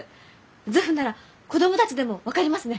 図譜なら子供たちでも分かりますね！